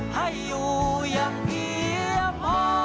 ให้อยู่อย่างเพียงพอ